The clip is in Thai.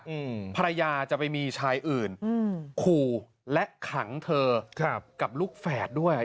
อืมภรรยาจะไปมีชายอื่นอืมขู่และขังเธอครับกับลูกแฝดด้วย